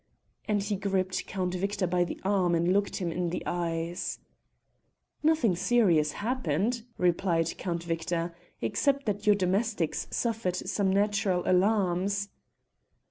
and he gripped Count Victor by the arm and looked him in the eyes. "Nothing serious happened," replied Count Victor, "except that your domestics suffered some natural alarms."